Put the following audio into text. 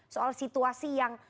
soal situasi yang